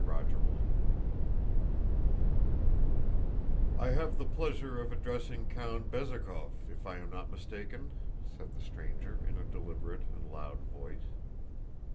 CHAPTER II "I have the pleasure of addressing Count Bezúkhov, if I am not mistaken," said the stranger in a deliberate and loud voice.